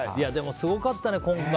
すごかったね、今回。